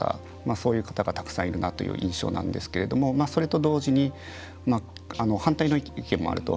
そういう方がたくさんいるなという印象なんですけどそれと同時に反対の意見もあると。